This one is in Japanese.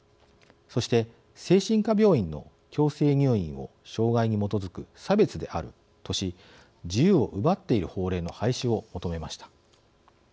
そして精神科病院の強制入院を障害に基づく差別であるとし自由を奪っている法令の廃止を求めました。